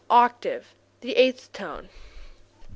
8. Octave the eighth tone. 92.